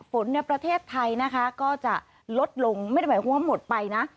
ในประเทศไทยนะคะก็จะลดลงไม่ได้หมายความว่าหมดไปนะ